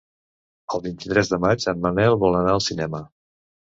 El vint-i-tres de maig en Manel vol anar al cinema.